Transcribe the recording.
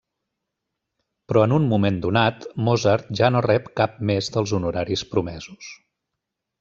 Però en un moment donat Mozart ja no rep cap més dels honoraris promesos.